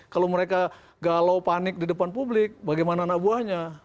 kalau mereka galau panik di depan publik bagaimana anak buahnya